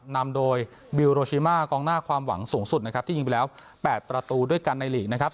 นำโดยบิลโรชิมากองหน้าความหวังสูงสุดนะครับที่ยิงไปแล้ว๘ประตูด้วยกันในหลีกนะครับ